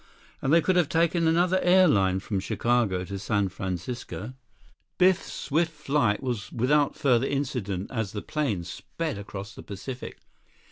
And they could have taken another airline from Chicago to San Francisco. Biff's swift flight was without further incident as the plane sped across the Pacific.